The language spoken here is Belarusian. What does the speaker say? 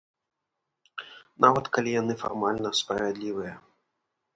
Нават калі яны фармальна справядлівыя.